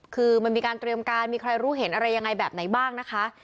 คือมันมีการเตรียมการมีใครรู้เห็นอะไรยังไงแบบไหนบ้างนะคะ